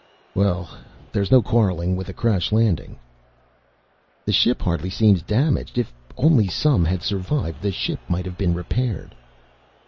"Well, there's no quarreling with a crash landing." "The ship hardly seems damaged. If only some had survived, the ship might have been repaired."